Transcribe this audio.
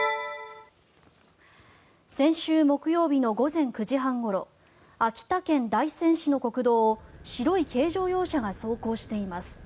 先週木曜日の午前９時半ごろ秋田県大仙市の国道を白い軽乗用車が走行しています。